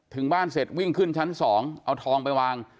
ถึงบ้านเสร็จวิ่งขึ้นชั้น๒เอาทองไปวาง